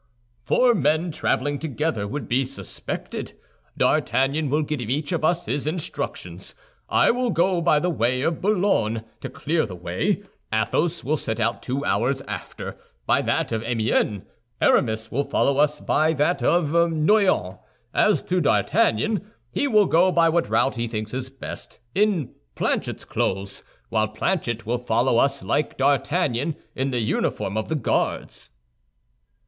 "Four men traveling together would be suspected. D'Artagnan will give each of us his instructions. I will go by the way of Boulogne to clear the way; Athos will set out two hours after, by that of Amiens; Aramis will follow us by that of Noyon; as to D'Artagnan, he will go by what route he thinks is best, in Planchet's clothes, while Planchet will follow us like D'Artagnan, in the uniform of the Guards."